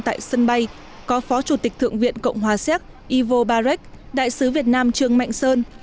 tại sân bay có phó chủ tịch thượng viện cộng hòa xéc ivo barecht đại sứ việt nam trương mạnh sơn